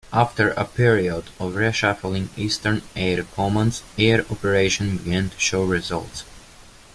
After a period of reshuffling, Eastern Air Command's air operations began to show results.